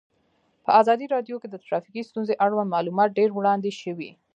په ازادي راډیو کې د ټرافیکي ستونزې اړوند معلومات ډېر وړاندې شوي.